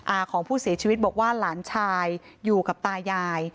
อาของผู้เสียชีวิตบอกว่าหลานชายอยู่กับตายาย